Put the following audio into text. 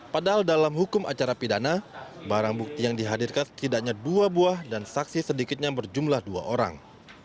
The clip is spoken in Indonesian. padahal dalam hukum acara pidana barang bukti yang dihadirkan setidaknya dua buah dan saksi sedikitnya berjumlah dua orang